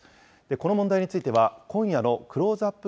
この問題については、今夜のクローズアップ